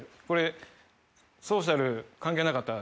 ソーシャル関係なかったら。